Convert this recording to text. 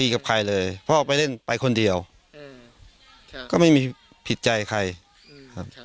กับใครเลยพ่อไปเล่นไปคนเดียวอืมก็ไม่มีผิดใจใครครับ